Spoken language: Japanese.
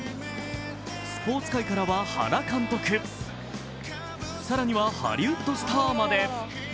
スポーツ界からは原監督、更にはハリウッドスターまで。